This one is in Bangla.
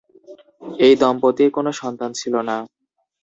এই দম্পতির কোন সন্তান ছিল না।